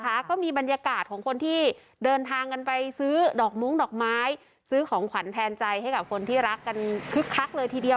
ก็มีบรรยากาศของคนที่เดินทางกันไปซื้อดอกมุ้งดอกไม้ซื้อของขวัญแทนใจให้กับคนที่รักกันคึกคักเลยทีเดียว